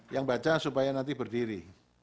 yang baca supaya nanti berdiri